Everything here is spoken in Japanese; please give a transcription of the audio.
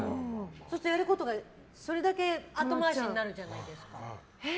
そうすると、やることがそれだけ後回しになるじゃないですか。